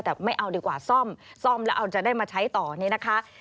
แต่ไม่เอาดีกว่าซ่อมซ่อมแล้วเอาจะได้มาใช้ต่อนี้นะคะ